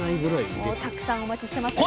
もうたくさんお待ちしてますよ。